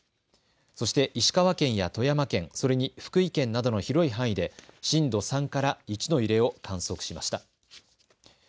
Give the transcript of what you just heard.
そして石川県や富山県、それに福井県などの広い範囲で震度３から１の揺れを観測しました。